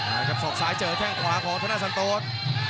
อย่างนี้ครับสอกซ้ายเจอแท่ง๑ขวาครับพระนาทิตย์สันโต๊ธ